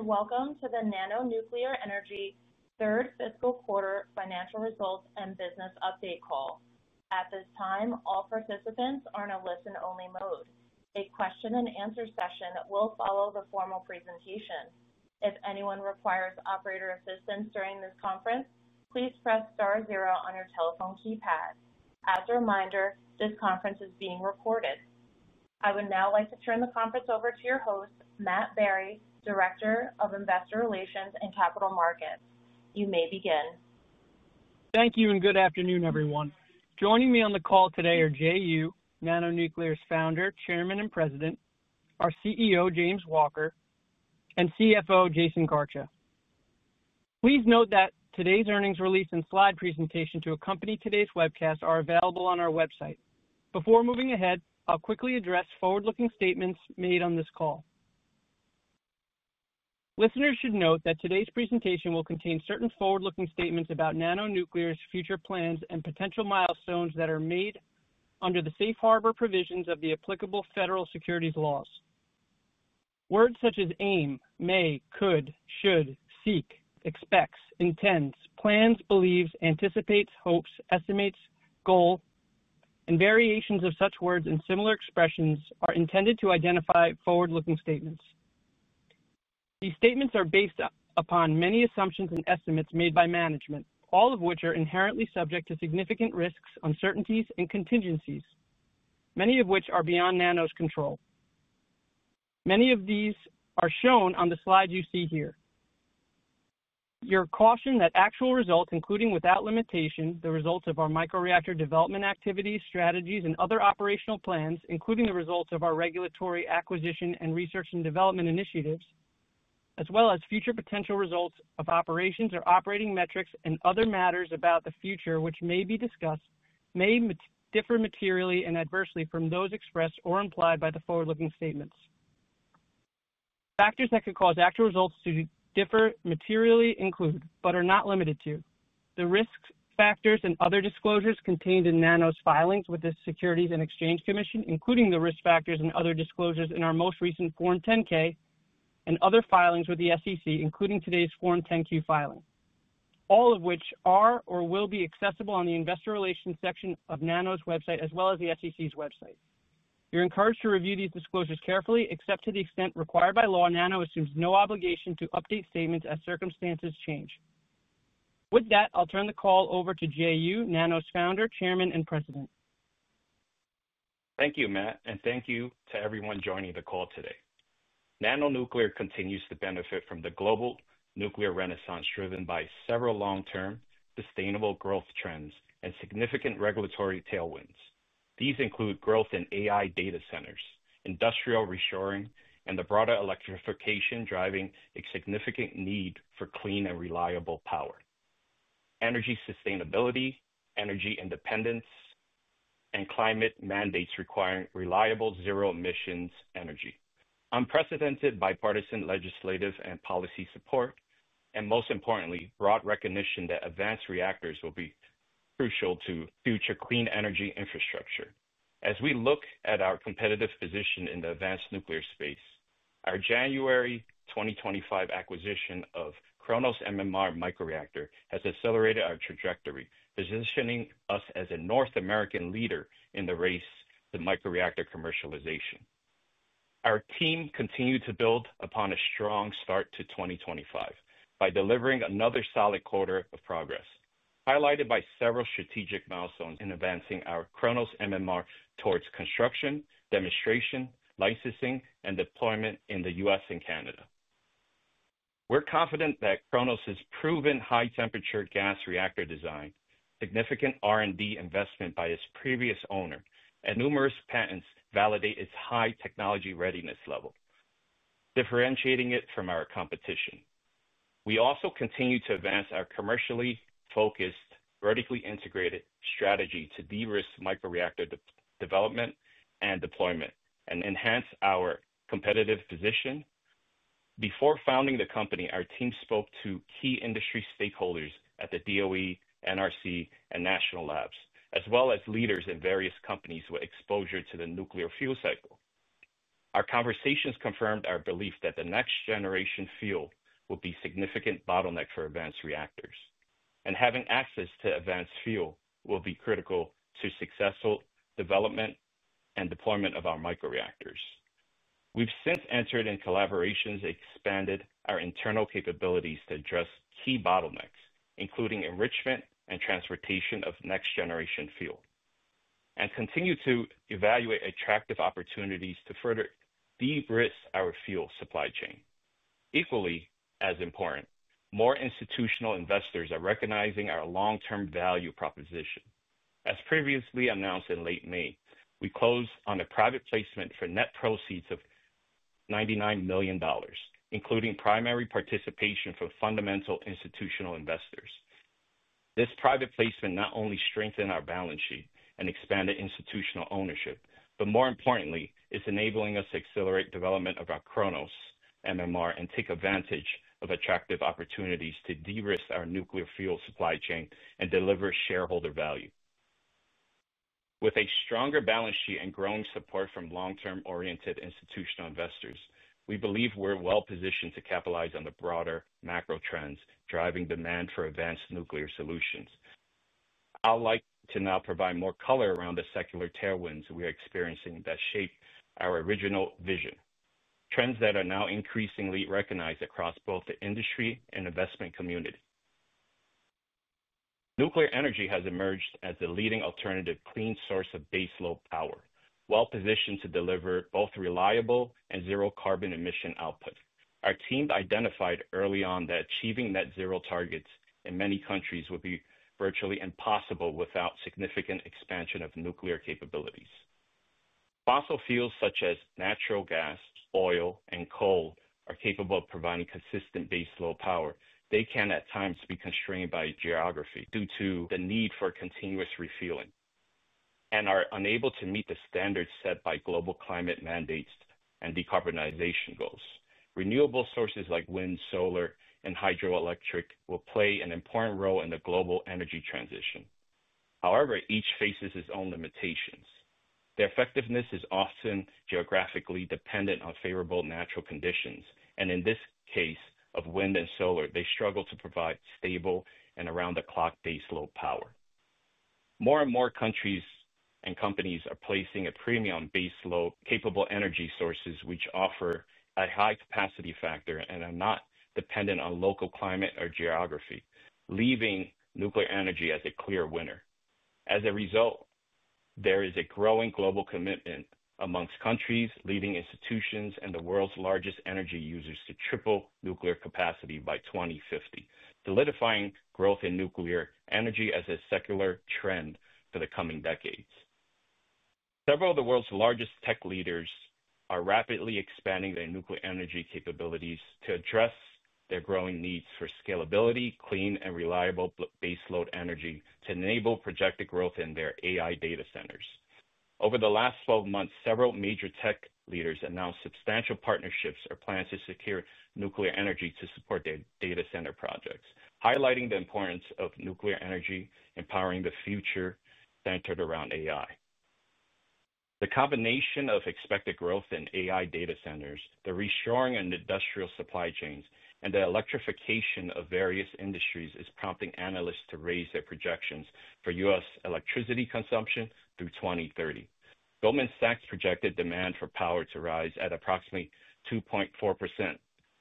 Welcome to the NANO Nuclear Energy Third Fiscal Quarter Financial Results and Business Update Call. At this time, all participants are in a listen-only mode. A question and answer session will follow the formal presentation. If anyone requires operator assistance during this conference, please press star zero on your telephone keypad. As a reminder, this conference is being recorded. I would now like to turn the conference over to your host, Matt Barry, Director of Investor Relations and Capital Markets. You may begin. Thank you, and good afternoon, everyone. Joining me on the call today are Jay Jiang Yu, NANO Nuclear's Founder, Chairman, and President, our CEO, James Walker, and CFO, Jaisun Garcha. Please note that today's earnings release and slide presentation to accompany today's webcast are available on our website. Before moving ahead, I'll quickly address forward-looking statements made on this call. Listeners should note that today's presentation will contain certain forward-looking statements about NANO Nuclear's future plans and potential milestones that are made under the Safe Harbor provisions of the applicable federal securities laws. Words such as aim, may, could, should, seek, expects, intends, plans, believes, anticipates, hopes, estimates, goal, and variations of such words and similar expressions are intended to identify forward-looking statements. These statements are based upon many assumptions and estimates made by management, all of which are inherently subject to significant risks, uncertainties, and contingencies, many of which are beyond NANO Nuclear's control. Many of these are shown on the slides you see here. You are cautioned that actual results, including without limitation, the results of our micro-reactor development activities, strategies, and other operational plans, including the results of our regulatory acquisition and research and development initiatives, as well as future potential results of operations or operating metrics and other matters about the future which may be discussed, may differ materially and adversely from those expressed or implied by the forward-looking statements. Factors that could cause actual results to differ materially include but are not limited to the risk factors and other disclosures contained in NANO Nuclear's filings with the Securities and Exchange Commission, including the risk factors and other disclosures in our most recent Form 10-K and other filings with the SEC, including today's Form 10-Q filing, all of which are or will be accessible on the Investor Relations section of NANO Nuclear's website, as well as the SEC's website. You are encouraged to review these disclosures carefully, except to the extent required by law. NANO Nuclear assumes no obligation to update statements as circumstances change. With that, I'll turn the call over to Jay Yu, NANO Nuclear's Founder, Chairman, and President. Thank you, Matt, and thank you to everyone joining the call today. NANO Nuclear continues to benefit from the global nuclear renaissance driven by several long-term sustainable growth trends and significant regulatory tailwinds. These include growth in AI data centers, industrial reshoring, and the broader electrification driving a significant need for clean and reliable power. Energy sustainability, energy independence, and climate mandates require reliable zero-emissions energy, unprecedented bipartisan legislative and policy support, and most importantly, broad recognition that advanced reactors will be crucial to future clean energy infrastructure. As we look at our competitive position in the advanced nuclear space, our January 2025 acquisition of KRONOS MMR micro-reactor has accelerated our trajectory, positioning us as a North American leader in the race to micro-reactor commercialization. Our team continued to build upon a strong start to 2025 by delivering another solid quarter of progress, highlighted by several strategic milestones in advancing our KRONOS MMR towards construction, demonstration, licensing, and deployment in the U.S. and Canada. We're confident that KRONOS's proven high-temperature gas reactor design, significant R&D investment by its previous owner, and numerous patents validate its high technology readiness level, differentiating it from our competition. We also continue to advance our commercially focused, vertically integrated strategy to de-risk micro-reactor development and deployment and enhance our competitive position. Before founding the company, our team spoke to key industry stakeholders at the DOE, NRC, and National Labs, as well as leaders in various companies with exposure to the nuclear fuel cycle. Our conversations confirmed our belief that the next-generation fuel will be a significant bottleneck for advanced reactors, and having access to advanced fuel will be critical to successful development and deployment of our micro-reactors. We've since entered in collaborations and expanded our internal capabilities to address key bottlenecks, including enrichment and transportation of next-generation fuel, and continue to evaluate attractive opportunities to further de-risk our fuel supply chain. Equally as important, more institutional investors are recognizing our long-term value proposition. As previously announced in late May, we closed on a private placement for net proceeds of $99 million, including primary participation from fundamental institutional investors. This private placement not only strengthened our balance sheet and expanded institutional ownership, but more importantly, it's enabling us to accelerate the development of our KRONOS MMR and take advantage of attractive opportunities to de-risk our nuclear fuel supply chain and deliver shareholder value. With a stronger balance sheet and growing support from long-term-oriented institutional investors, we believe we're well-positioned to capitalize on the broader macro trends driving demand for advanced nuclear solutions. I'd like to now provide more color around the secular tailwinds we are experiencing that shape our original vision, trends that are now increasingly recognized across both the industry and investment community. Nuclear energy has emerged as the leading alternative clean source of baseload power, well-positioned to deliver both reliable and zero carbon emission output. Our team identified early on that achieving net zero targets in many countries would be virtually impossible without significant expansion of nuclear capabilities. Fossil fuels such as natural gas, oil, and coal are capable of providing consistent baseload power. They can at times be constrained by geography due to the need for continuous refueling and are unable to meet the standards set by global climate mandates and decarbonization goals. Renewable sources like wind, solar, and hydroelectric will play an important role in the global energy transition. However, each faces its own limitations. Their effectiveness is often geographically dependent on favorable natural conditions, and in the case of wind and solar, they struggle to provide stable and around-the-clock baseload power. More and more countries and companies are placing a premium on baseload capable energy sources, which offer a high capacity factor and are not dependent on local climate or geography, leaving nuclear energy as a clear winner. As a result, there is a growing global commitment amongst countries, leading institutions, and the world's largest energy users to triple nuclear capacity by 2050, solidifying growth in nuclear energy as a secular trend for the coming decades. Several of the world's largest tech leaders are rapidly expanding their nuclear energy capabilities to address their growing needs for scalability, clean, and reliable baseload energy to enable projected growth in their AI data centers. Over the last 12 months, several major tech leaders announced substantial partnerships or plans to secure nuclear energy to support their data center projects, highlighting the importance of nuclear energy empowering the future centered around AI. The combination of expected growth in AI data centers, the reshoring in industrial supply chains, and the electrification of various industries is prompting analysts to raise their projections for U.S. electricity consumption through 2030. Goldman Sachs projected demand for power to rise at approximately 2.4%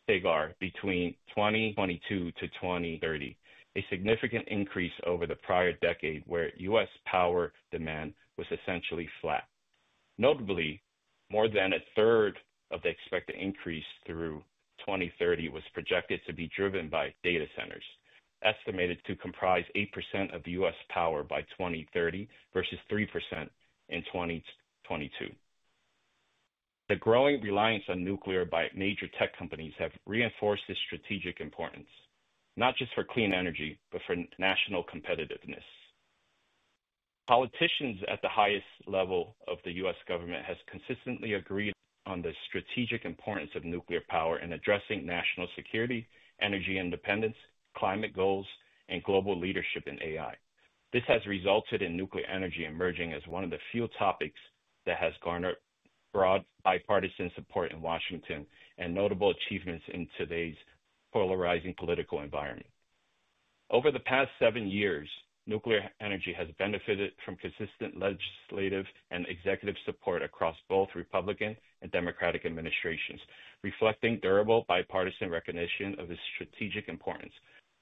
CAGR between 2022-2030, a significant increase over the prior decade where U.S. power demand was essentially flat. Notably, more than a third of the expected increase through 2030 was projected to be driven by data centers, estimated to comprise 8% of U.S. power by 2030 versus 3% in 2022. The growing reliance on nuclear by major tech companies has reinforced its strategic importance, not just for clean energy but for national competitiveness. Politicians at the highest level of the U.S. government have consistently agreed on the strategic importance of nuclear power in addressing national security, energy independence, climate goals, and global leadership in AI. This has resulted in nuclear energy emerging as one of the few topics that has garnered broad bipartisan support in Washington and notable achievements in today's polarizing political environment. Over the past seven years, nuclear energy has benefited from consistent legislative and executive support across both Republican and Democratic administrations, reflecting durable bipartisan recognition of its strategic importance.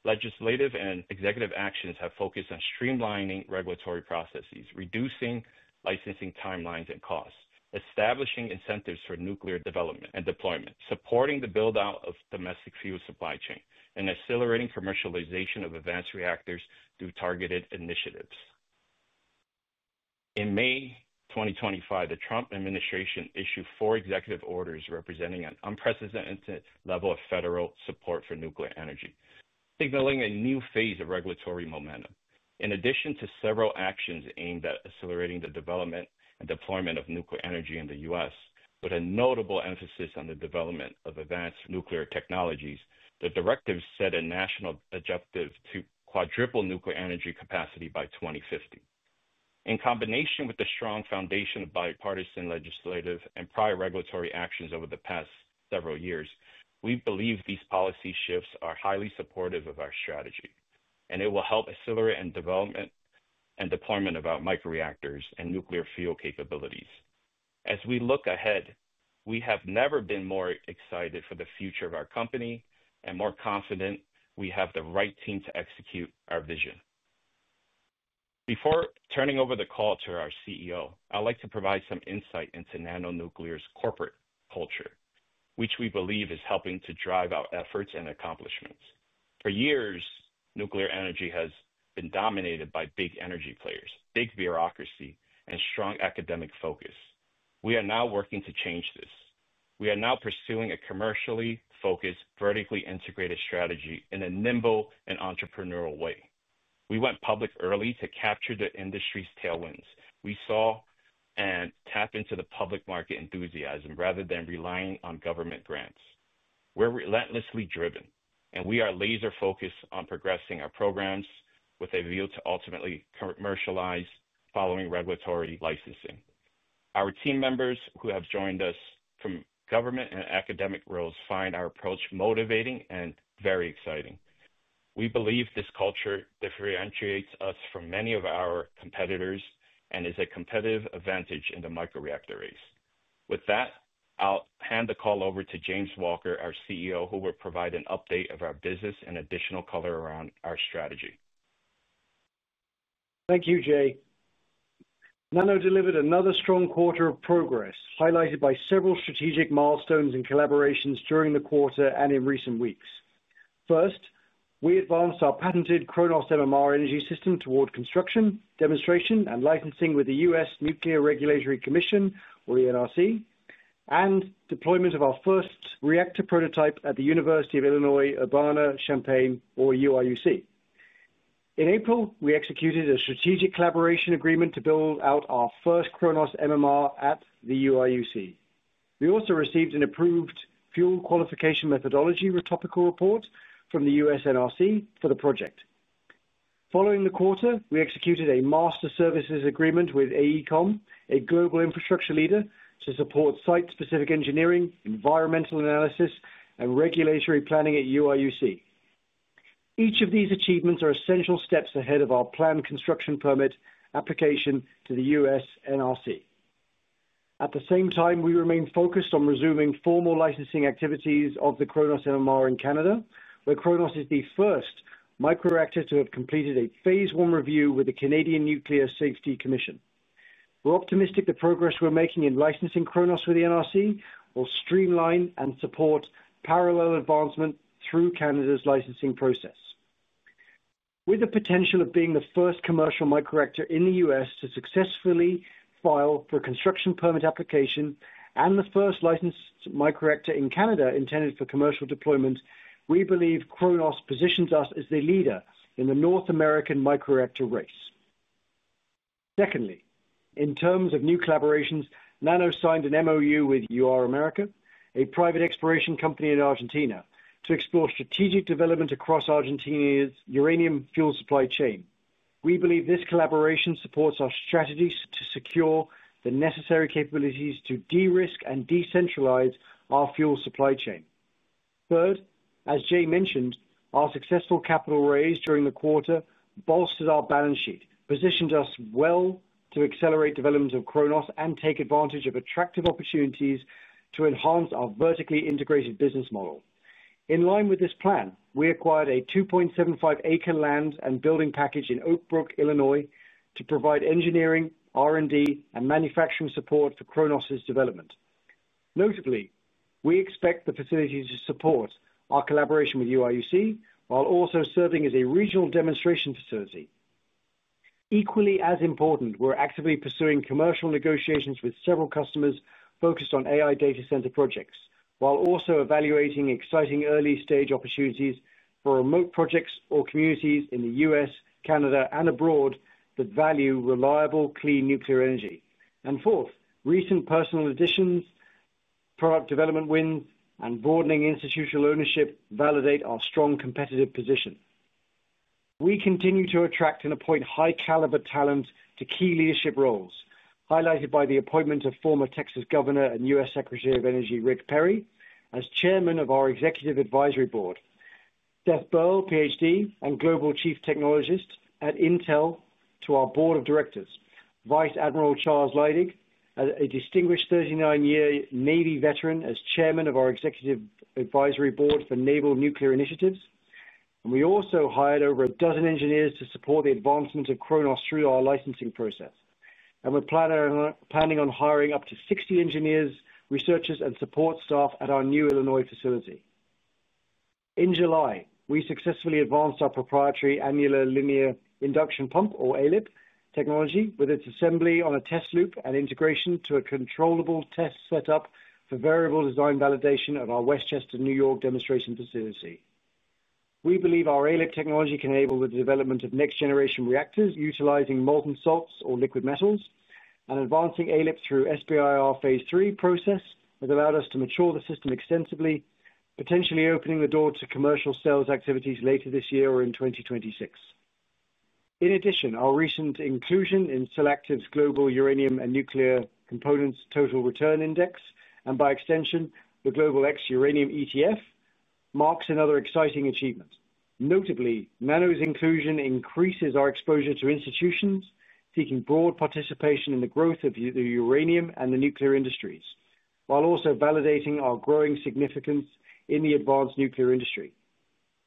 Legislative and executive actions have focused on streamlining regulatory processes, reducing licensing timelines and costs, establishing incentives for nuclear development and deployment, supporting the build-out of domestic fuel supply chain, and accelerating commercialization of advanced reactors through targeted initiatives. In May 2020, the Trump administration issued four executive orders representing an unprecedented level of federal support for nuclear energy, signaling a new phase of regulatory momentum. In addition to several actions aimed at accelerating the development and deployment of nuclear energy in the U.S., with a notable emphasis on the development of advanced nuclear technologies, the directives set a national objective to quadruple nuclear energy capacity by 2050. In combination with the strong foundation of bipartisan legislative and prior regulatory actions over the past several years, we believe these policy shifts are highly supportive of our strategy, and it will help accelerate development and deployment of our micro-reactors and nuclear fuel capabilities. As we look ahead, we have never been more excited for the future of our company and more confident we have the right team to execute our vision. Before turning over the call to our CEO, I'd like to provide some insight into NANO Nuclear's corporate culture, which we believe is helping to drive our efforts and accomplishments. For years, nuclear energy has been dominated by big energy players, big bureaucracy, and strong academic focus. We are now working to change this. We are now pursuing a commercially focused, vertically integrated strategy in a nimble and entrepreneurial way. We went public early to capture the industry's tailwinds. We saw and tapped into the public market enthusiasm rather than relying on government grants. We're relentlessly driven, and we are laser-focused on progressing our programs with a view to ultimately commercialize following regulatory licensing. Our team members who have joined us from government and academic roles find our approach motivating and very exciting. We believe this culture differentiates us from many of our competitors and is a competitive advantage in the micro-reactor race. With that, I'll hand the call over to James Walker, our CEO, who will provide an update of our business and additional color around our strategy. Thank you, Jay. NANO delivered another strong quarter of progress, highlighted by several strategic milestones and collaborations during the quarter and in recent weeks. First, we advanced our patented KRONOS MMR Energy System toward construction, demonstration, and licensing with the U.S. Nuclear Regulatory Commission, or the NRC, and deployment of our first reactor prototype at the University of Illinois Urbana-Champaign, or UIUC. In April, we executed a strategic collaboration agreement to build out our first KRONOS MMR at the UIUC. We also received an approved fuel qualification methodology topical report from the U.S. NRC for the project. Following the quarter, we executed a master services agreement with AECOM, a global infrastructure leader, to support site-specific engineering, environmental analysis, and regulatory planning at UIUC. Each of these achievements are essential steps ahead of our planned construction permit application to the U.S. NRC. At the same time, we remain focused on resuming formal licensing activities of the KRONOS MMR in Canada, where KRONOS is the first micro-reactor to have completed a phase one review with the Canadian Nuclear Safety Commission. We're optimistic the progress we're making in licensing KRONOS for the NRC will streamline and support parallel advancement through Canada's licensing process. With the potential of being the first commercial micro-reactor in the U.S. to successfully file for construction permit application and the first licensed micro-reactor in Canada intended for commercial deployment, we believe KRONOS positions us as the leader in the North American micro-reactor race. Secondly, in terms of new collaborations, NANO signed a memorandum of understanding with UrAmerica, a private exploration company in Argentina, to explore strategic development across Argentina's uranium fuel supply chain. We believe this collaboration supports our strategies to secure the necessary capabilities to de-risk and decentralize our fuel supply chain. Third, as Jay mentioned, our successful capital raise during the quarter bolstered our balance sheet, positioned us well to accelerate development of KRONOS and take advantage of attractive opportunities to enhance our vertically integrated business model. In line with this plan, we acquired a 2.75 acre land and building package in Oak Brook, Illinois, to provide engineering, R&D, and manufacturing support for KRONOS's development. Notably, we expect the facility to support our collaboration with the University of IUIC while also serving as a regional demonstration facility. Equally as important, we're actively pursuing commercial negotiations with several customers focused on AI data center projects, while also evaluating exciting early-stage opportunities for remote projects or communities in the U.S., Canada, and abroad that value reliable, clean nuclear energy. Fourth, recent personnel additions, product development wins, and broadening institutional ownership validate our strong competitive position. We continue to attract and appoint high-caliber talent to key leadership roles, highlighted by the appointment of former Texas Governor and U.S. Secretary of Energy Rick Perry as Chairman of our Executive Advisory Board, Seth Burgett, PhD, and Global Chief Technologist at Intel, to our Board of Directors, Vice Admiral Charles Leidig, a distinguished 39-year Navy veteran, as Chairman of our Executive Advisory Board for Naval Nuclear Initiatives. We also hired over a dozen engineers to support the advancement of the KRONOS through our licensing process. We're planning on hiring up to 60 engineers, researchers, and support staff at our new Illinois facility. In July, we successfully advanced our proprietary Annular Linear Induction Pump, or ALIP, technology with its assembly on a test loop and integration to a controllable test setup for variable design validation of our Westchester, New York demonstration facility. We believe our ALIP technology can enable the development of next-generation reactors utilizing molten salts or liquid metals, and advancing ALIP through the SBIR phase III process has allowed us to mature the system extensively, potentially opening the door to commercial sales activities later this year or in 2026. In addition, our recent inclusion in Solactive's Global Uranium and Nuclear Components Total Return Index, and by extension, the Global X Uranium ETF, marks another exciting achievement. Notably, NANO Nuclear Energy Inc.'s inclusion increases our exposure to institutions seeking broad participation in the growth of the uranium and the nuclear industries, while also validating our growing significance in the advanced nuclear industry.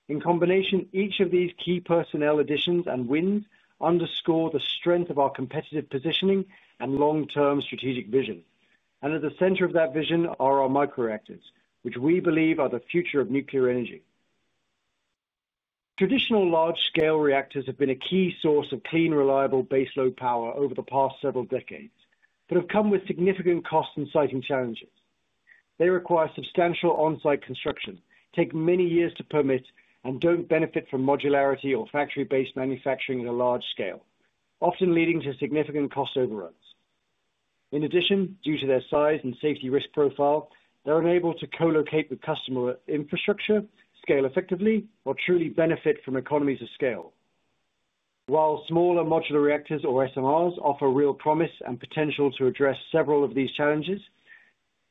In combination, each of these key personnel additions and wins underscore the strength of our competitive positioning and long-term strategic vision. At the center of that vision are our micro-reactors, which we believe are the future of nuclear energy. Traditional large-scale reactors have been a key source of clean, reliable baseload power over the past several decades, but have come with significant cost-inciting challenges. They require substantial on-site construction, take many years to permit, and don't benefit from modularity or factory-based manufacturing at a large scale, often leading to significant cost overruns. In addition, due to their size and safety risk profile, they're unable to co-locate with customer infrastructure, scale effectively, or truly benefit from economies of scale. While smaller modular reactors or SMRs offer real promise and potential to address several of these challenges,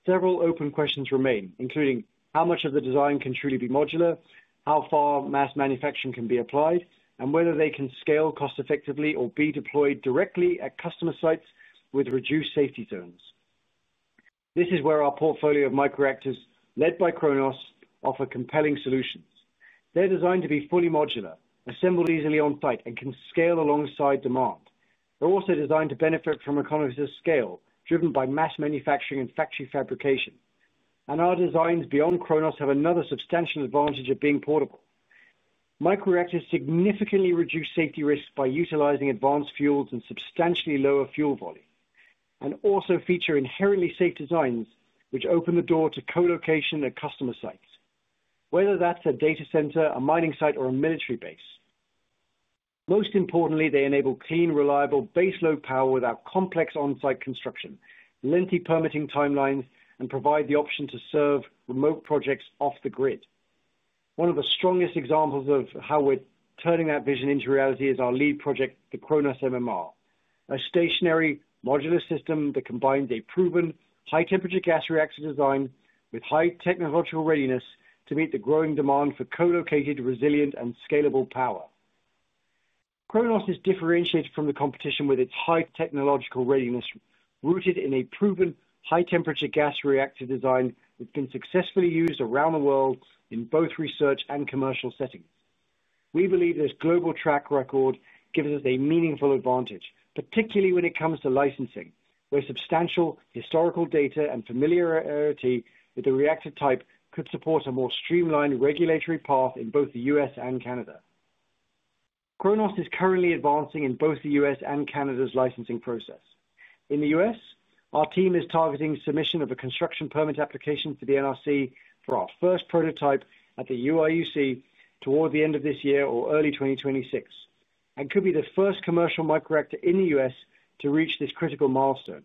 several open questions remain, including how much of the design can truly be modular, how far mass manufacturing can be applied, and whether they can scale cost-effectively or be deployed directly at customer sites with reduced safety zones. This is where our portfolio of micro-reactors, led by KRONOS, offer compelling solutions. They're designed to be fully modular, assembled easily on-site, and can scale alongside demand. They're also designed to benefit from economies of scale, driven by mass manufacturing and factory fabrication. Our designs beyond KRONOS have another substantial advantage of being portable. Micro-reactors significantly reduce safety risks by utilizing advanced fuels and substantially lower fuel volume, and also feature inherently safe designs, which open the door to co-location at customer sites, whether that's a data center, a mining site, or a military base. Most importantly, they enable clean, reliable baseload power without complex on-site construction, lengthy permitting timelines, and provide the option to serve remote projects off the grid. One of the strongest examples of how we're turning that vision into reality is our lead project, the KRONOS MMR, a stationary modular system that combines a proven high-temperature gas reactor design with high technological readiness to meet the growing demand for co-located, resilient, and scalable power. KRONOS is differentiated from the competition with its high technological readiness, rooted in a proven high-temperature gas reactor design that's been successfully used around the world in both research and commercial settings. We believe this global track record gives us a meaningful advantage, particularly when it comes to licensing, where substantial historical data and familiarity with the reactor type could support a more streamlined regulatory path in both the U.S. and Canada. KRONOS is currently advancing in both the U.S. and Canada's licensing process. In the U.S., our team is targeting submission of a construction permit application to the U.S. NRC for our first prototype at the UIUC toward the end of this year or early 2026, and could be the first commercial micro-reactor in the U.S. to reach this critical milestone.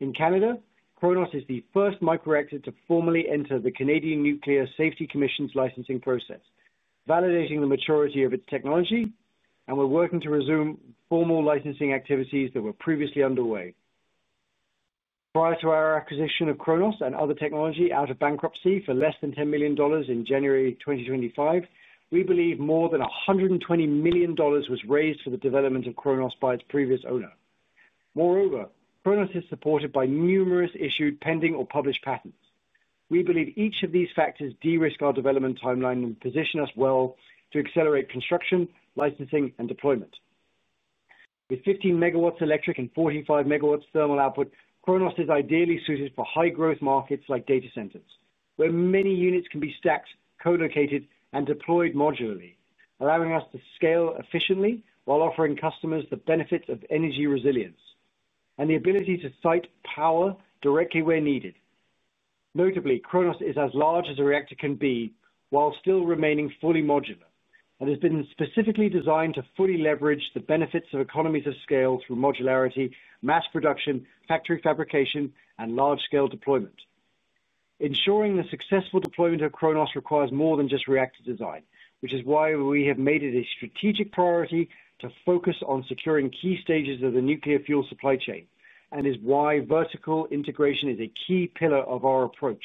In Canada, KRONOS is the first micro-reactor to formally enter the Canadian Nuclear Safety Commission's licensing process, validating the maturity of its technology, and we're working to resume formal licensing activities that were previously underway. Prior to our acquisition of KRONOS and other technology out of bankruptcy for less than $10 million in January 2025, we believe more than $120 million was raised for the development of KRONOS by its previous owner. Moreover, KRONOS is supported by numerous issued, pending, or published patents. We believe each of these factors de-risked our development timeline and positioned us well to accelerate construction, licensing, and deployment. With 15 MW electric and 45 MW thermal output, KRONOS is ideally suited for high-growth markets like data centers, where many units can be stacked, co-located, and deployed modularly, allowing us to scale efficiently while offering customers the benefits of energy resilience and the ability to site power directly where needed. Notably, KRONOS is as large as a reactor can be while still remaining fully modular and has been specifically designed to fully leverage the benefits of economies of scale through modularity, mass production, factory fabrication, and large-scale deployment. Ensuring the successful deployment of KRONOS requires more than just reactor design, which is why we have made it a strategic priority to focus on securing key stages of the nuclear fuel supply chain and is why vertical integration is a key pillar of our approach.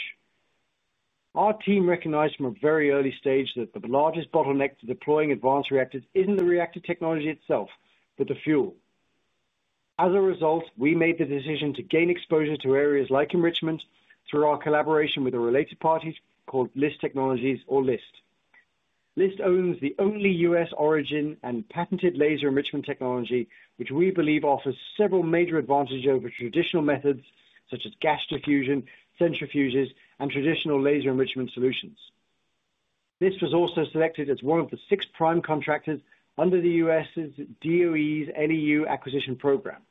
Our team recognized from a very early stage that the largest bottleneck to deploying advanced reactors isn't the reactor technology itself, but the fuel. As a result, we made the decision to gain exposure to areas like enrichment through our collaboration with the related parties called LIST Technologies or LIST. LIST owns the only U.S. origin and patented laser enrichment technology, which we believe offers several major advantages over traditional methods such as gas diffusion, centrifuges, and traditional laser enrichment solutions. LIST was also selected as one of the six prime contractors under the U.S. DOE's NEU acquisition program,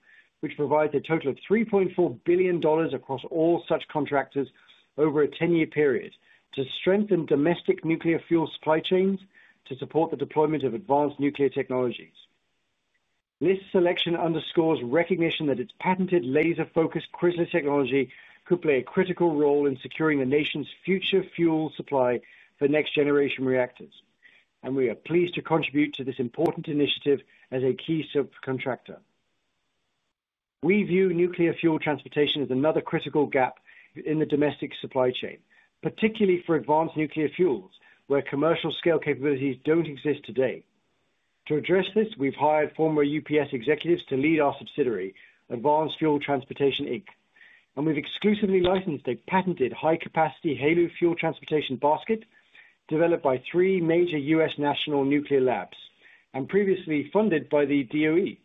which provides a total of $3.4 billion across all such contractors over a 10-year period to strengthen domestic nuclear fuel supply chains to support the deployment of advanced nuclear technologies. LIST's selection underscores recognition that its patented laser-focused crystal technology could play a critical role in securing the nation's future fuel supply for next-generation reactors, and we are pleased to contribute to this important initiative as a key subcontractor. We view nuclear fuel transportation as another critical gap in the domestic supply chain, particularly for advanced nuclear fuels where commercial scale capabilities don't exist today. To address this, we've hired former UPS executives to lead our subsidiary, Advanced Fuel Transportation Inc., and we've exclusively licensed a patented high-capacity HALEU fuel transportation basket developed by three major U.S. national nuclear labs and previously funded by the DOE.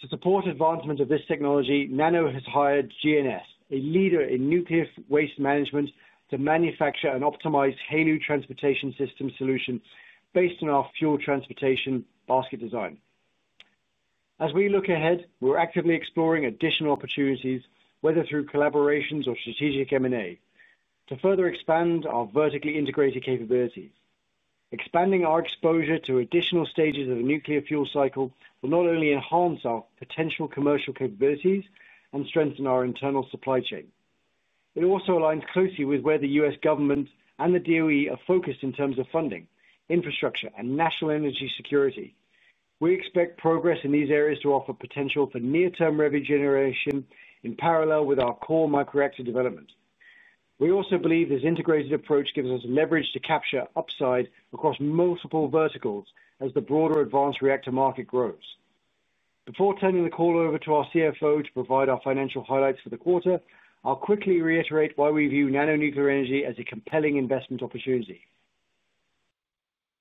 To support advancement of this technology, NANO has hired GNS, a leader in nuclear waste management, to manufacture an optimized HALEU transportation system solution based on our fuel transportation basket design. As we look ahead, we're actively exploring additional opportunities, whether through collaborations or strategic M&A, to further expand our vertically integrated capabilities. Expanding our exposure to additional stages of the nuclear fuel cycle will not only enhance our potential commercial capabilities and strengthen our internal supply chain, it also aligns closely with where the U.S. government and the DOE are focused in terms of funding, infrastructure, and national energy security. We expect progress in these areas to offer potential for near-term revenue generation in parallel with our core micro-reactor development. We also believe this integrated approach gives us leverage to capture upside across multiple verticals as the broader advanced reactor market grows. Before turning the call over to our CFO to provide our financial highlights for the quarter, I'll quickly reiterate why we view NANO Nuclear Energy as a compelling investment opportunity.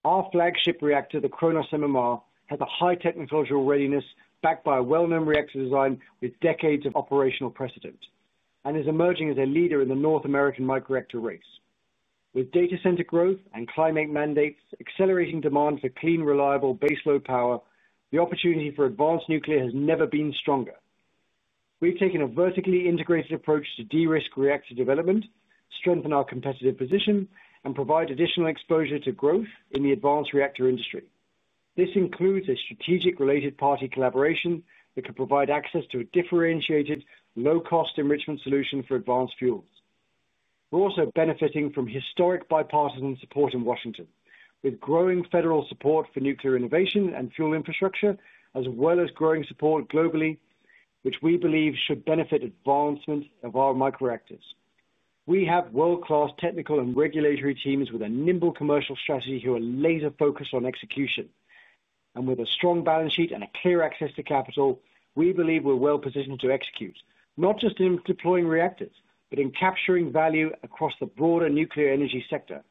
Our flagship reactor, the KRONOS MMR, has a high technological readiness backed by a well-known reactor design with decades of operational precedent and is emerging as a leader in the North American micro-reactor race. With data center growth and climate mandates accelerating demand for clean, reliable baseload power, the opportunity for advanced nuclear has never been stronger. We've taken a vertically integrated approach to de-risk reactor development, strengthen our competitive position, and provide additional exposure to growth in the advanced reactor industry. This includes a strategic related party collaboration that could provide access to a differentiated, low-cost enrichment solution for advanced fuels. We're also benefiting from historic bipartisan policy support in Washington, with growing federal support for nuclear innovation and fuel infrastructure, as well as growing support globally, which we believe should benefit advancement of our micro-reactors. We have world-class technical and regulatory teams with a nimble commercial strategy who are laser-focused on execution. With a strong balance sheet and clear access to capital, we believe we're well-positioned to execute, not just in deploying reactors, but in capturing value across the broader nuclear energy sector.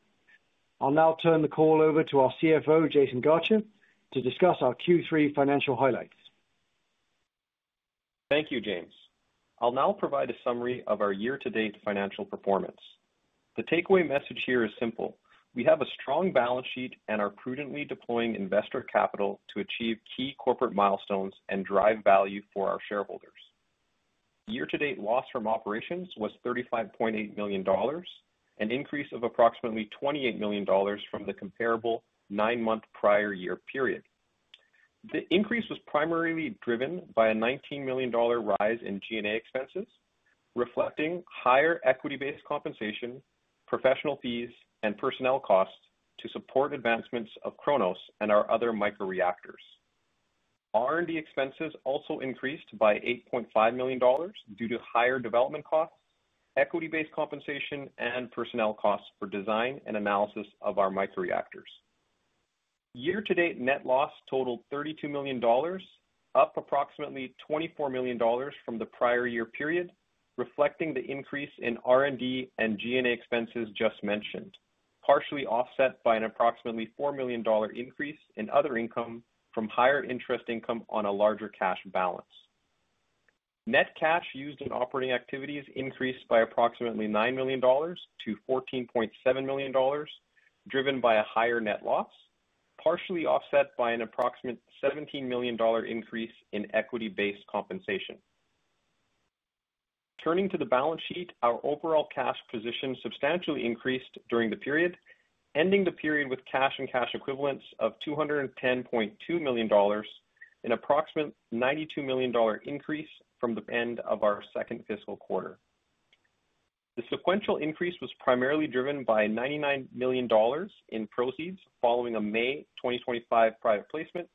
I'll now turn the call over to our CFO, Jaisun Garcha, to discuss our Q3 financial highlights. Thank you, James. I'll now provide a summary of our year-to-date financial performance. The takeaway message here is simple: we have a strong balance sheet and are prudently deploying investor capital to achieve key corporate milestones and drive value for our shareholders. The year-to-date loss from operations was $35.8 million, an increase of approximately $28 million from the comparable nine-month prior year period. The increase was primarily driven by a $19 million rise in G&A expenses, reflecting higher equity-based compensation, professional fees, and personnel costs to support advancements of KRONOS and our other micro-reactors. R&D expenses also increased by $8.5 million due to higher development costs, equity-based compensation, and personnel costs for design and analysis of our micro-reactors. Year-to-date net loss totaled $32 million, up approximately $24 million from the prior year period, reflecting the increase in R&D and G&A expenses just mentioned, partially offset by an approximately $4 million increase in other income from higher interest income on a larger cash balance. Net cash used in operating activities increased by approximately $9 million-$14.7 million, driven by a higher net loss, partially offset by an approximate $17 million increase in equity-based compensation. Turning to the balance sheet, our overall cash position substantially increased during the period, ending the period with cash and cash equivalents of $210.2 million in an approximate $92 million increase from the end of our second fiscal quarter. The sequential increase was primarily driven by $99 million in proceeds following a May 2025 private placement.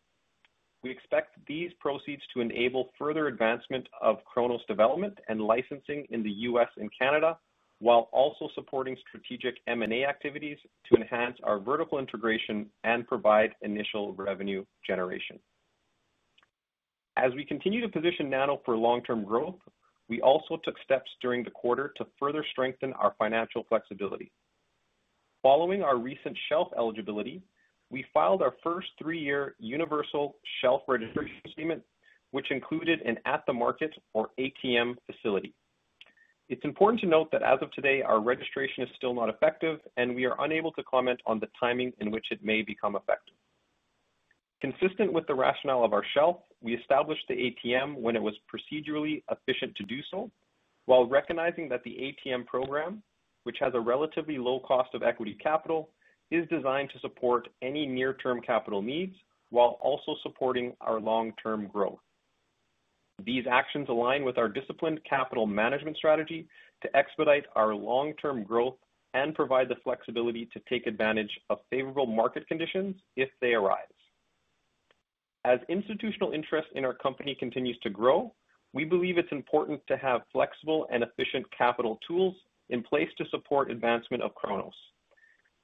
We expect these proceeds to enable further advancement of KRONOS development and licensing in the U.S. and Canada, while also supporting strategic M&A activities to enhance our vertical integration and provide initial revenue generation. As we continue to position NANO for long-term growth, we also took steps during the quarter to further strengthen our financial flexibility. Following our recent shelf eligibility, we filed our first three-year universal shelf registration statement, which included an at-the-market or ATM facility. It's important to note that as of today, our registration is still not effective, and we are unable to comment on the timing in which it may become effective. Consistent with the rationale of our shelf, we established the ATM when it was procedurally efficient to do so, while recognizing that the ATM program, which has a relatively low cost of equity capital, is designed to support any near-term capital needs while also supporting our long-term growth. These actions align with our disciplined capital management strategy to expedite our long-term growth and provide the flexibility to take advantage of favorable market conditions if they arise. As institutional interest in our company continues to grow, we believe it's important to have flexible and efficient capital tools in place to support advancement of KRONOS.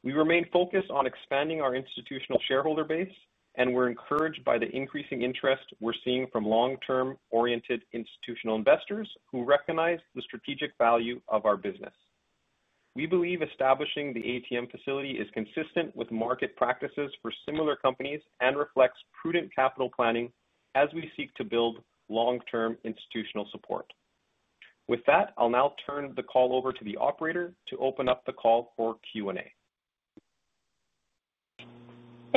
We remain focused on expanding our institutional shareholder base, and we're encouraged by the increasing interest we're seeing from long-term-oriented institutional investors who recognize the strategic value of our business. We believe establishing the ATM facility is consistent with market practices for similar companies and reflects prudent capital planning as we seek to build long-term institutional support. With that, I'll now turn the call over to the operator to open up the call for Q&A.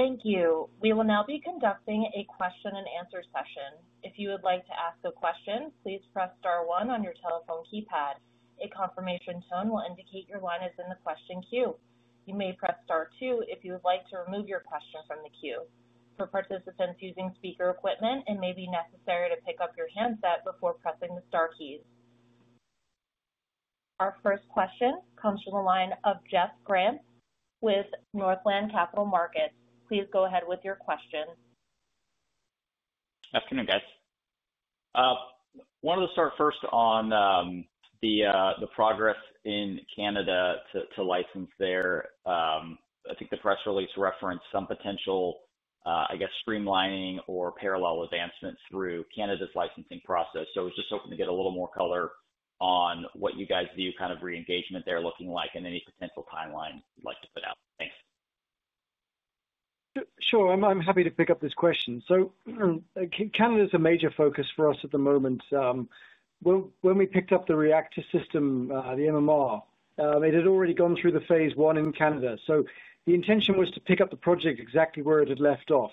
Thank you. We will now be conducting a question and answer session. If you would like to ask a question, please press star one on your telephone keypad. A confirmation tone will indicate your one is in the question queue. You may press star two if you would like to remove your question from the queue. For participants using speaker equipment, it may be necessary to pick up your handset before pressing the star keys. Our first question comes from the line of Jeff Grampp with Northland Capital Markets. Please go ahead with your question. Good afternoon, guys. I wanted to start first on the progress in Canada to license there. I think the press release referenced some potential, I guess, streamlining or parallel advancements through Canada's licensing process. I was just hoping to get a little more color on what you guys view kind of re-engagement there looking like and any potential timeline you'd like to put out. Thanks. Sure. I'm happy to pick up this question. Canada is a major focus for us at the moment. When we picked up the reactor system, the MMR, it had already gone through the phase one in Canada. The intention was to pick up the project exactly where it had left off.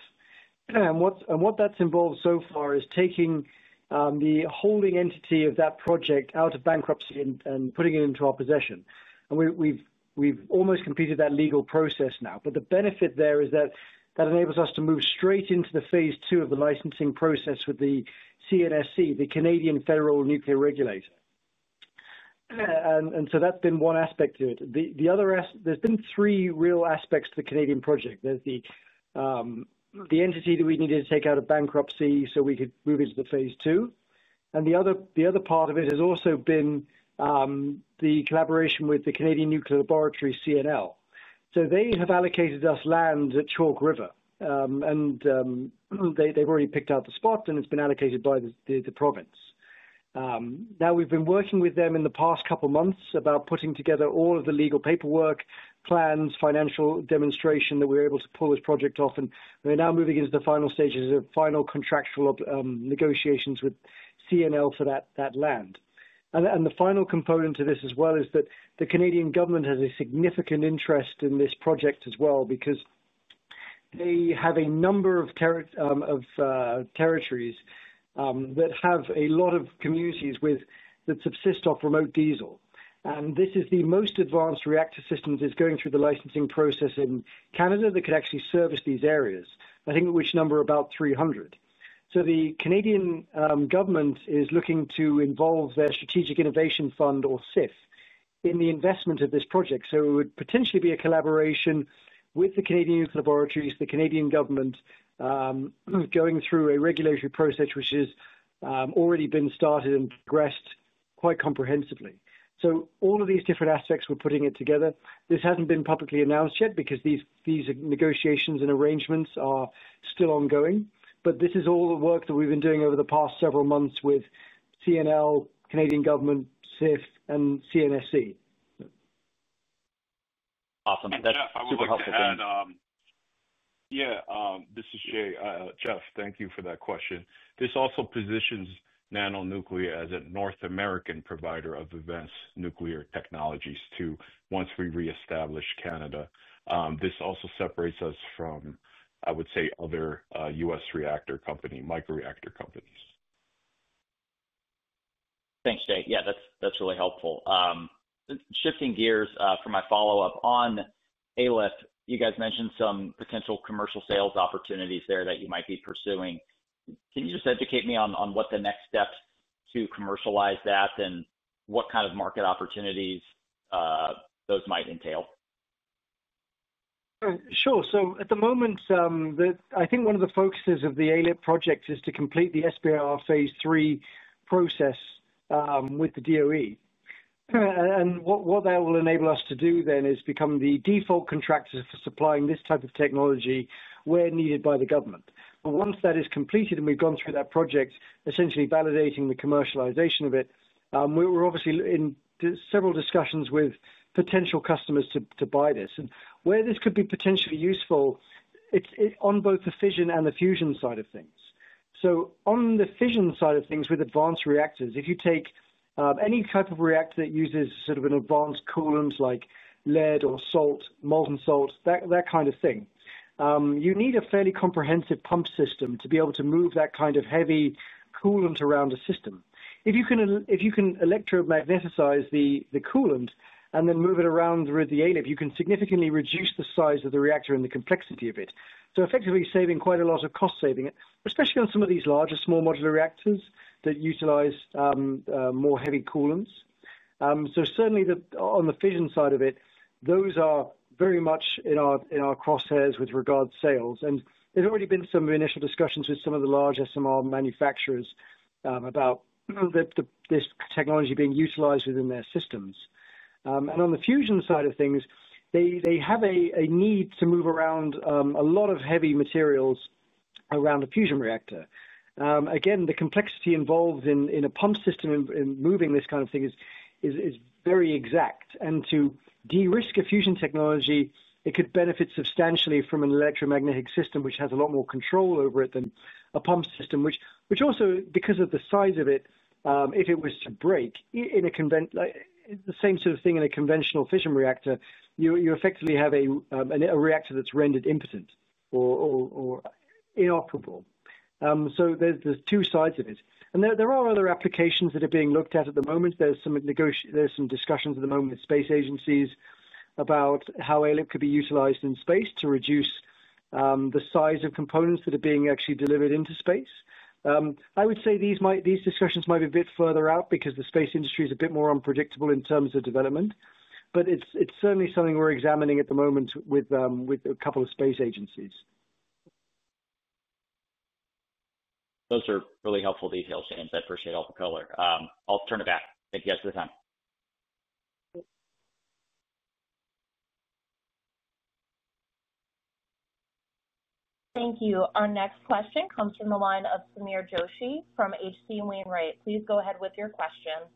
What that's involved so far is taking the holding entity of that project out of bankruptcy and putting it into our possession. We've almost completed that legal process now. The benefit there is that enables us to move straight into the phase two of the licensing process with the CNSC, the Canadian federal nuclear regulator. That's been one aspect to it. The other aspect, there's been three real aspects to the Canadian project. There's the entity that we needed to take out of bankruptcy so we could move into the phase two. The other part of it has also been the collaboration with the Canadian Nuclear Laboratories, CNL. They have allocated us land at Chalk River. They've already picked out the spot, and it's been allocated by the province. We've been working with them in the past couple of months about putting together all of the legal paperwork, plans, financial demonstration that we were able to pull this project off. We're now moving into the final stages of final contractual negotiations with CNL for that land. The final component to this as well is that the Canadian government has a significant interest in this project as well because they have a number of territories that have a lot of communities that subsist off remote diesel. This is the most advanced reactor system that is going through the licensing process in Canada that could actually service these areas. I think at which number are about 300. The Canadian government is looking to involve their Strategic Innovation Fund, or SIF, in the investment of this project. It would potentially be a collaboration with the Canadian Nuclear Laboratories, the Canadian government going through a regulatory process which has already been started and progressed quite comprehensively. All of these different aspects we're putting it together. This hasn't been publicly announced yet because these negotiations and arrangements are still ongoing. This is all the work that we've been doing over the past several months with CNL, Canadian government, SIF, and CNSC Awesome. Super helpful. Yeah. This is Jay. Jeff, thank you for that question. This also positions NANO Nuclear as a North American provider of advanced nuclear technologies too, once we reestablish Canada. This also separates us from, I would say, other U.S. reactor companies, micro-reactor companies. Thanks, Jay. Yeah, that's really helpful. Shifting gears for my follow-up on ALIP, you guys mentioned some potential commercial sales opportunities there that you might be pursuing. Can you just educate me on what the next steps to commercialize that and what kind of market opportunities those might entail? Sure. At the moment, I think one of the focuses of the ALIP project is to complete the SBIR Phase III process with the DOE. What that will enable us to do then is become the default contractor for supplying this type of technology where needed by the government. Once that is completed and we've gone through that project, essentially validating the commercialization of it, we're obviously in several discussions with potential customers to buy this. Where this could be potentially useful is on both the fission and the fusion side of things. On the fission side of things with advanced reactors, if you take any type of reactor that uses an advanced coolant like lead or molten salt, that kind of thing, you need a fairly comprehensive pump system to be able to move that kind of heavy coolant around a system. If you can electromagneticize the coolant and then move it around with the ALIP, you can significantly reduce the size of the reactor and the complexity of it, effectively saving quite a lot of cost, especially on some of these larger small modular reactors that utilize more heavy coolants. On the fission side of it, those are very much in our crosshairs with regard to sales. There have already been some initial discussions with some of the large SMR manufacturers about this technology being utilized within their systems. On the fusion side of things, they have a need to move around a lot of heavy materials around the fusion reactor. The complexity involved in a pump system in moving this kind of thing is very exact. To de-risk a fusion technology, it could benefit substantially from an electromagnetic system, which has a lot more control over it than a pump system. Also, because of the size of it, if it was to break, in the same sort of thing in a conventional fission reactor, you effectively have a reactor that's rendered impotent or inoperable. There are two sides of it. There are other applications that are being looked at at the moment. There are some discussions at the moment with space agencies about how ALIP could be utilized in space to reduce the size of components that are being actually delivered into space. I would say these discussions might be a bit further out because the space industry is a bit more unpredictable in terms of development. It's certainly something we're examining at the moment with a couple of space agencies. Those are really helpful details, James. I appreciate all the color. I'll turn it back. Thank you guys for the time. Thank you. Our next question comes from the line of Sameer Joshi from H.C. Wainwright. Please go ahead with your question.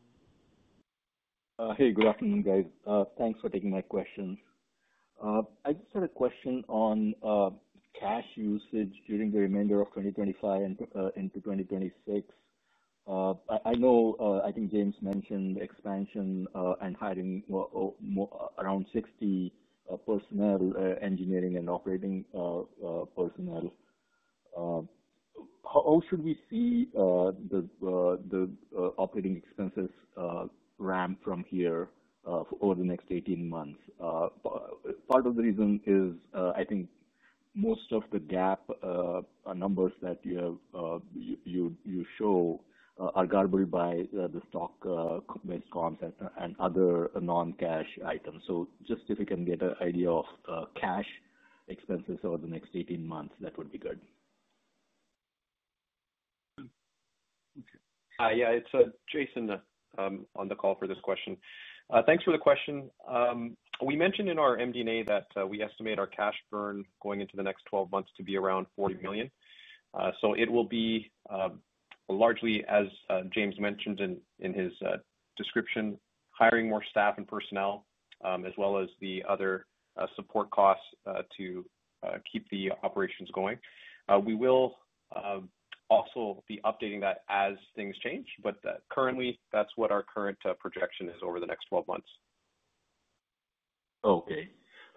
Hey, good afternoon, guys. Thanks for taking my questions. I just had a question on cash usage during the remainder of 2025 and into 2026. I know I think James mentioned expansion and hiring around 60 personnel, engineering and operating personnel. How should we see the operating expenses ramp from here over the next 18 months? Part of the reason is I think most of the GAAP numbers that you show are garbled by the stock-based comps and other non-cash items. If you can get an idea of cash expenses over the next 18 months, that would be good. Okay. Yeah, it's Jaisun on the call for this question. Thanks for the question. We mentioned in our MD&A that we estimate our cash burn going into the next 12 months to be around $40 million. It will be largely, as James mentioned in his description, hiring more staff and personnel, as well as the other support costs to keep the operations going. We will also be updating that as things change, but currently, that's what our current projection is over the next 12 months. Okay.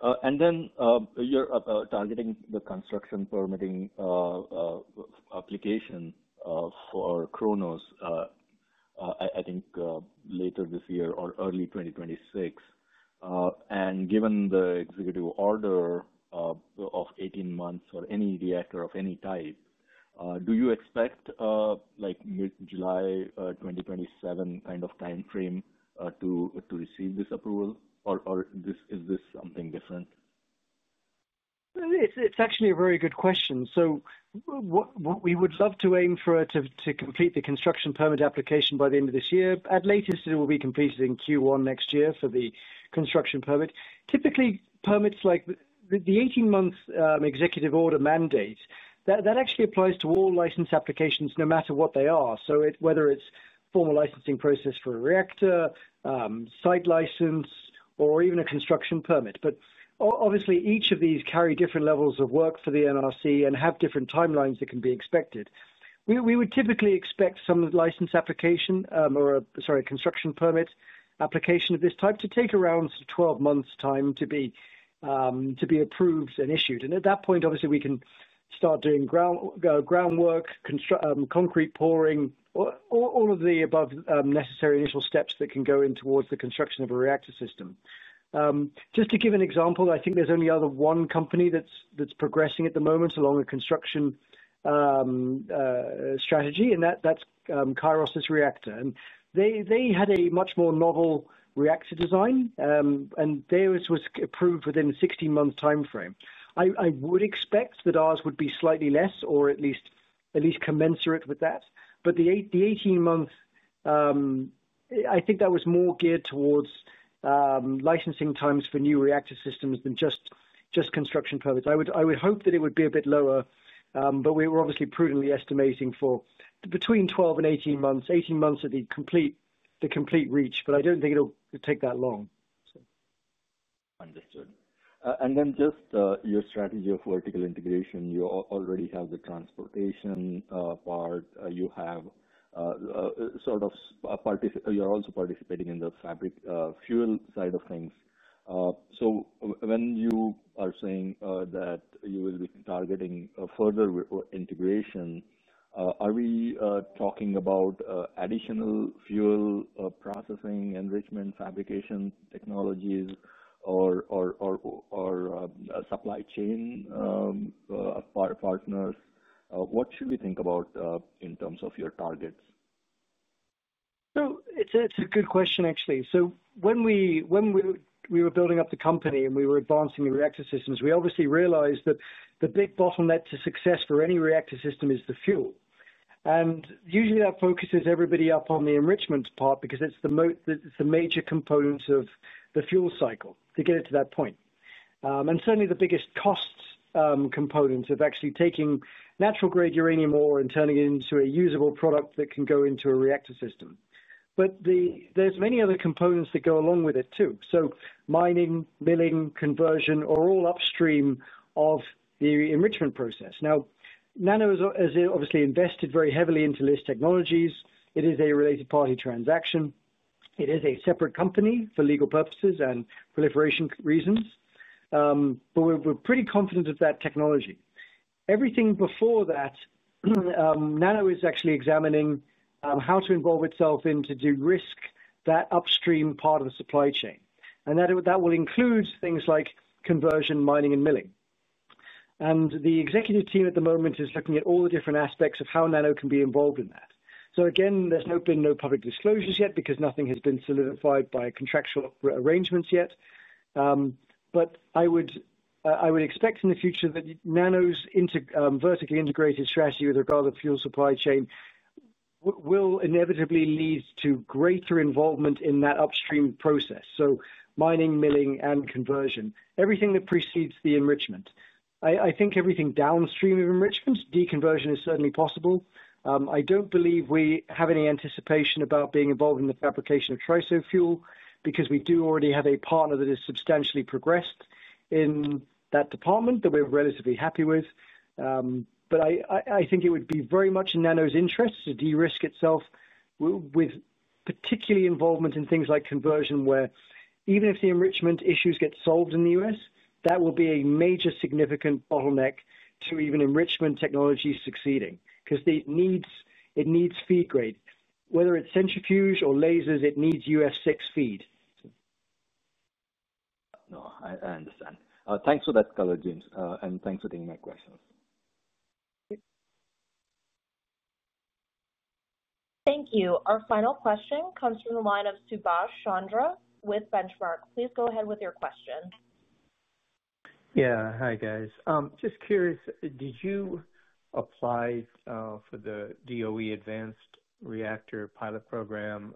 You're targeting the construction permitting application for KRONOS later this year or early 2026. Given the executive order of 18 months for any reactor of any type, do you expect like mid-July 2027 kind of timeframe to receive this approval, or is this something different? It's actually a very good question. We would love to aim for it to complete the construction permit application by the end of this year. At latest, it will be completed in Q1 next year for the construction permit. Typically, permits like the 18-month executive order mandate actually apply to all license applications no matter what they are, whether it's a formal licensing process for a reactor, site license, or even a construction permit. Obviously, each of these carries different levels of work for the NRC and has different timelines that can be expected. We would typically expect some license application or, sorry, construction permit application of this type to take around 12 months' time to be approved and issued. At that point, obviously, we can start doing groundwork, concrete pouring, or all of the above necessary initial steps that can go in towards the construction of a reactor system. Just to give an example, I think there's only one other company that's progressing at the moment along a construction strategy, and that's Kairos's reactor. They had a much more novel reactor design, and theirs was approved within a 16-month timeframe. I would expect that ours would be slightly less or at least commensurate with that. The 18-month, I think that was more geared towards licensing times for new reactor systems than just construction permits. I would hope that it would be a bit lower, but we're obviously prudently estimating for between 12 months and 18 months. 18 months is the complete reach, but I don't think it'll take that long. Understood. Your strategy of vertical integration, you already have the transportation part. You have sort of you're also participating in the fabric fuel side of things. When you are saying that you will be targeting further integration, are we talking about additional fuel processing, enrichment, fabrication technologies, or supply chain partners? What should we think about in terms of your targets? It's a good question, actually. When we were building up the company and we were advancing the reactor systems, we obviously realized that the big bottleneck to success for any reactor system is the fuel. Usually, that focuses everybody up on the enrichment part because it's the major component of the fuel cycle to get it to that point. Certainly, the biggest cost components of actually taking natural-grade uranium ore and turning it into a usable product that can go into a reactor system. There are many other components that go along with it too. Mining, milling, conversion are all upstream of the enrichment process. NANO has obviously invested very heavily into LIST Technologies. It is a related party transaction. It is a separate company for legal purposes and proliferation reasons. We're pretty confident of that technology. Everything before that, NANO. is actually examining how to involve itself in to de-risk that upstream part of the supply chain. That will include things like conversion, mining, and milling. The executive team at the moment is looking at all the different aspects of how NANO can be involved in that. There have been no public disclosures yet because nothing has been solidified by contractual arrangements yet. I would expect in the future that NANO's vertically integrated strategy with regard to fuel supply chain will inevitably lead to greater involvement in that upstream process. Mining, milling, and conversion, everything that precedes the enrichment. I think everything downstream of enrichment, deconversion is certainly possible. I don't believe we have any anticipation about being involved in the fabrication of TRISO fuel because we do already have a partner that has substantially progressed in that department that we're relatively happy with. I think it would be very much in NANO's interest to de-risk itself with particularly involvement in things like conversion, where even if the enrichment issues get solved in the U.S., that will be a major significant bottleneck to even enrichment technology succeeding because it needs feed grade. Whether it's centrifuge or lasers, it needs UF6 feed. No, I understand. Thanks for that color, James, and thanks for taking my questions. Thank you. Our final question comes from the line of Subash Chandra with Benchmark. Please go ahead with your question. Hi, guys. Just curious, did you apply for the DOE Advanced Reactor Pilot Program?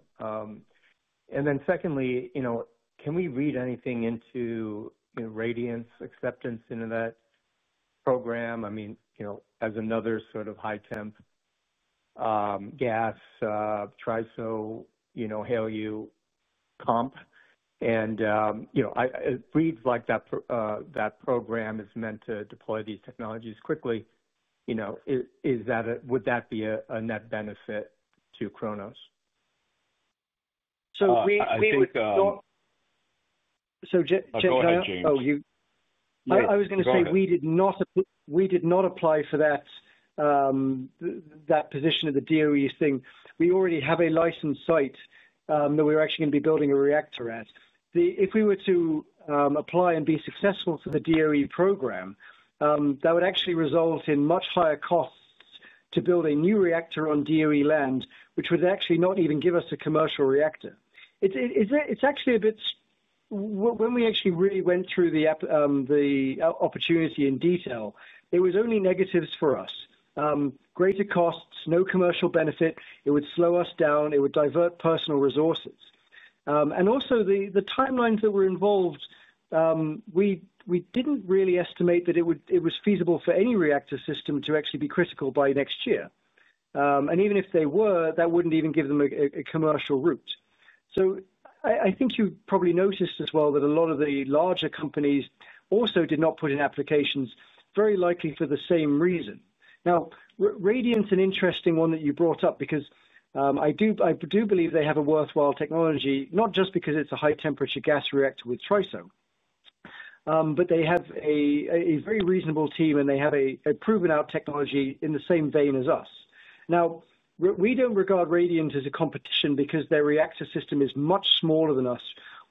Secondly, can we read anything into, you know, Radiance acceptance into that program? I mean, as another sort of high-temp gas TRISO, you know, HALEU comp, and it reads like that program is meant to deploy these technologies quickly. Is that a, would that be a net benefit to KRONOS? We did not. Go ahead, James. Oh, I was going to say we did not apply for that position of the DOE thing. We already have a licensed site that we're actually going to be building a reactor at. If we were to apply and be successful for the DOE program, that would actually result in much higher costs to build a new reactor on DOE land, which would actually not even give us a commercial reactor. When we really went through the opportunity in detail, it was only negatives for us. Greater costs, no commercial benefit. It would slow us down. It would divert personal resources. Also, the timelines that were involved, we didn't really estimate that it was feasible for any reactor system to actually be critical by next year. Even if they were, that wouldn't even give them a commercial route. I think you probably noticed as well that a lot of the larger companies also did not put in applications, very likely for the same reason. Now, Radiance is an interesting one that you brought up because I do believe they have a worthwhile technology, not just because it's a high-temperature gas reactor with TRISO, but they have a very reasonable team and they have a proven-out technology in the same vein as us. We don't regard Radiance as a competition because their reactor system is much smaller than us,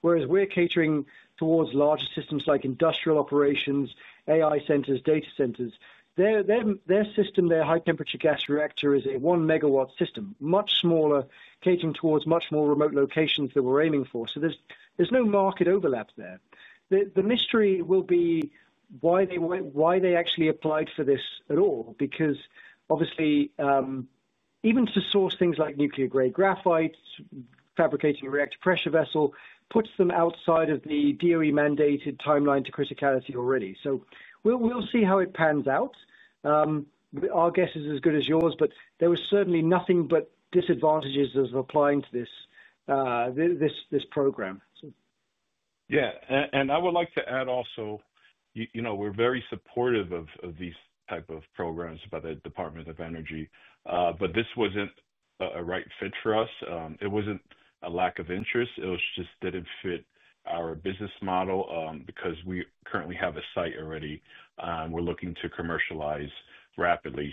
whereas we're catering towards larger systems like industrial operations, AI centers, data centers. Their system, their high-temperature gas reactor is a 1 MW system, much smaller, catering towards much more remote locations that we're aiming for. There's no market overlap there. The mystery will be why they actually applied for this at all because obviously, even to source things like nuclear-grade graphite, fabricating a reactor pressure vessel puts them outside of the DOE-mandated timeline to criticality already. We'll see how it pans out. Our guess is as good as yours, but there was certainly nothing but disadvantages of applying to this program. Yeah. I would like to add also, you know, we're very supportive of these types of programs by the Department of Energy, but this wasn't a right fit for us. It wasn't a lack of interest. It just didn't fit our business model because we currently have a site already. We're looking to commercialize rapidly.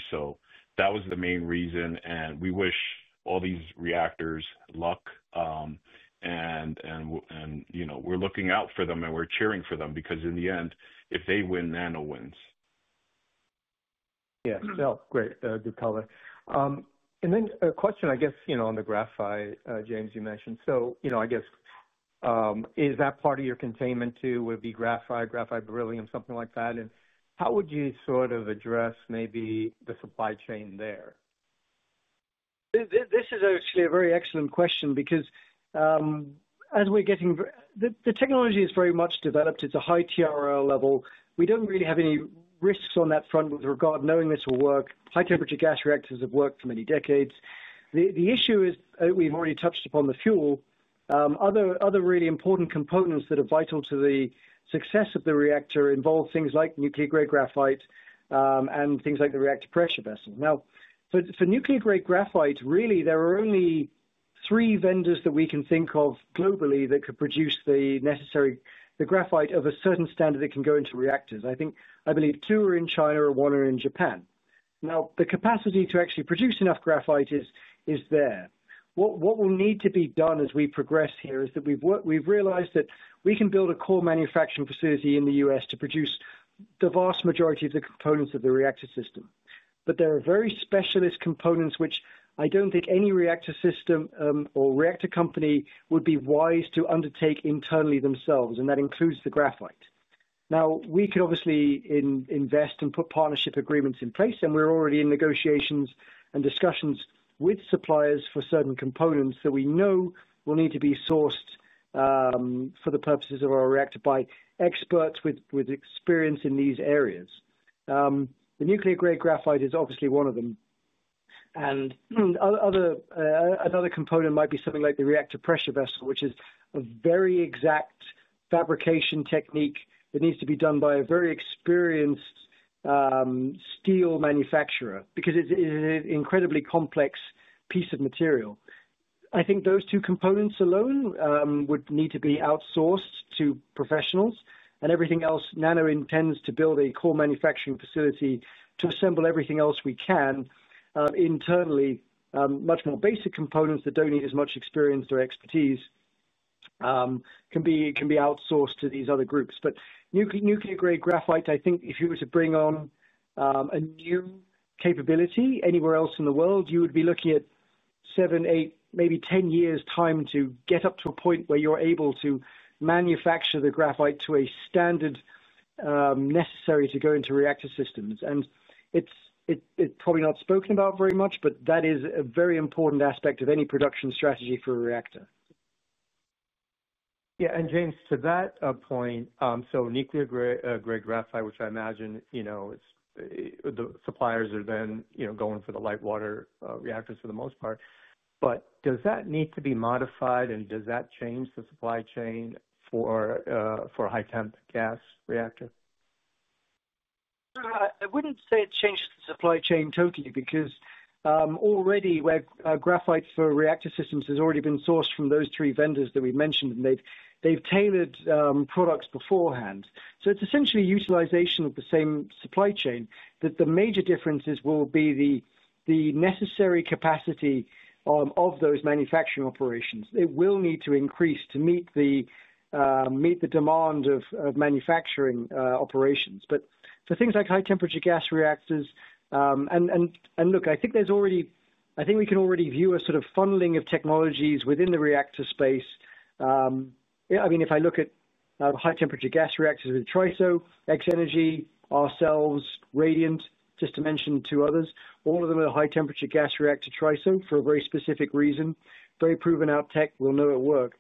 That was the main reason. We wish all these reactors luck, and you know, we're looking out for them and we're cheering for them because in the end, if they win, NANO wins. Yeah. Great, good color. A question, I guess, on the graphite, James, you mentioned. Is that part of your containment too, would it be graphite, graphite beryllium, something like that? How would you sort of address maybe the supply chain there? This is actually a very excellent question because as we're getting, the technology is very much developed. It's a high TRL level. We don't really have any risks on that front with regard to knowing this will work. High-temperature gas reactors have worked for many decades. The issue is we've already touched upon the fuel. Other really important components that are vital to the success of the reactor involve things like nuclear-grade graphite and things like the reactor pressure vessel. Now, for nuclear-grade graphite, really, there are only three vendors that we can think of globally that could produce the graphite of a certain standard that can go into reactors. I think, I believe, two are in China or one is in Japan. The capacity to actually produce enough graphite is there. What will need to be done as we progress here is that we've realized that we can build a core manufacturing facility in the U.S. to produce the vast majority of the components of the reactor system. There are very specialist components which I don't think any reactor system or reactor company would be wise to undertake internally themselves, and that includes the graphite. We can obviously invest and put partnership agreements in place, and we're already in negotiations and discussions with suppliers for certain components that we know will need to be sourced for the purposes of our reactor by experts with experience in these areas. The nuclear-grade graphite is obviously one of them. Another component might be something like the reactor pressure vessel, which is a very exact fabrication technique that needs to be done by a very experienced steel manufacturer because it's an incredibly complex piece of material. I think those two components alone would need to be outsourced to professionals. Everything else, NANO intends to build a core manufacturing facility to assemble everything else we can internally. Much more basic components that don't need as much experience or expertise can be outsourced to these other groups. Nuclear-grade graphite, I think if you were to bring on a new capability anywhere else in the world, you would be looking at 7, 8, maybe 10 years' time to get up to a point where you're able to manufacture the graphite to a standard necessary to go into reactor systems. It is probably not spoken about very much, but that is a very important aspect of any production strategy for a reactor. Yeah. James, to that point, nuclear-grade graphite, which I imagine, you know, the suppliers are then going for the light water reactors for the most part. Does that need to be modified, and does that change the supply chain for a high-temp gas reactor? I wouldn't say it changes the supply chain totally because already where graphite for reactor systems has already been sourced from those three vendors that we've mentioned, and they've tailored products beforehand. It is essentially utilization of the same supply chain. The major differences will be the necessary capacity of those manufacturing operations. It will need to increase to meet the demand of manufacturing operations. For things like high-temperature gas reactors, I think there's already, I think we can already view a sort of funneling of technologies within the reactor space. If I look at high-temperature gas reactors with TRISO, X Energy, ourselves, Radiant, just to mention two others, all of them are high-temperature gas reactor TRISO for a very specific reason. Very proven-out tech, we'll know it works.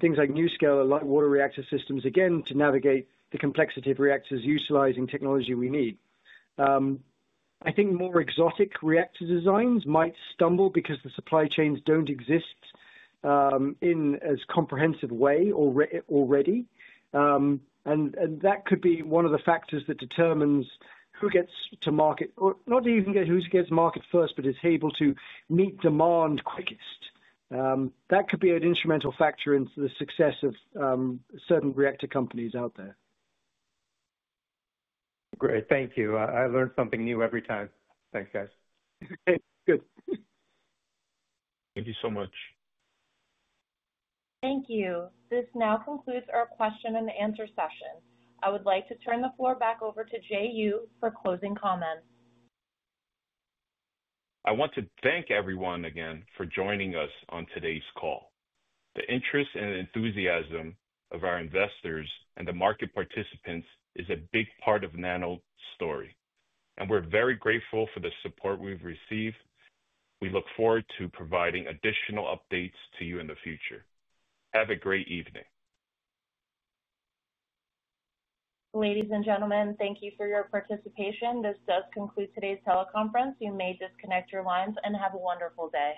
Things like NuScale and light water reactor systems, again, to navigate the complexity of reactors utilizing technology we need. I think more exotic reactor designs might stumble because the supply chains don't exist in as comprehensive way already. That could be one of the factors that determines who gets to market, not even who gets market first, but is able to meet demand quickest. That could be an instrumental factor in the success of certain reactor companies out there. Great. Thank you. I learn something new every time. Thanks, guys. Okay. Good. Thank you so much. Thank you. This now concludes our question and answer session. I would like to turn the floor back over to Jay Yu for closing comments. I want to thank everyone again for joining us on today's call. The interest and enthusiasm of our investors and the market participants is a big part of NANO's story. We're very grateful for the support we've received. We look forward to providing additional updates to you in the future. Have a great evening. Ladies and gentlemen, thank you for your participation. This does conclude today's teleconference. You may disconnect your lines and have a wonderful day.